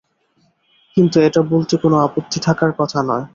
কিন্তু এটা বলতে কোনো আপত্তি থাকার কথা নয়।